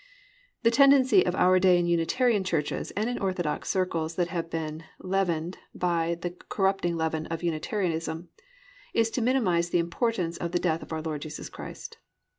The tendency of our day in Unitarian circles, and in orthodox circles that have been leavened by the corrupting leaven of Unitarianism, is to minimise the importance of the death of our Lord Jesus Christ.